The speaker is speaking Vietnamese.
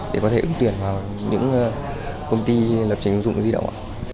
để có thể ứng tuyển vào những công ty lập trình ứng dụng di động ạ